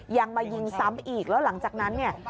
ยังมายิงซ้ำอีกแล้วหลังจากนั้นเนี่ย